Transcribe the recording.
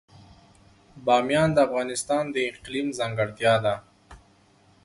بامیان د افغانستان د اقلیم ځانګړتیا ده.